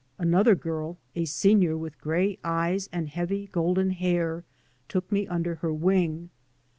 Another girl, a senior, with grey eyes and heavy golden hair, took me under her wing.